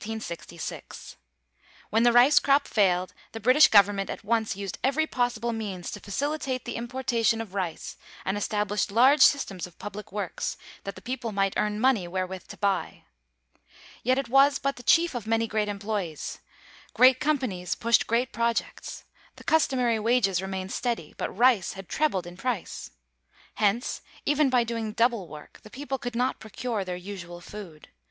When the rice crop failed the British government at once used every possible means to facilitate the importation of rice and established large systems of public works that the people might earn money wherewith to buy. Yet it was but the chief of many great employes. Great companies pushed great projects. The customary wages remained steady; but rice had trebled in price. Hence, even by doing double work the people could not procure their usual food.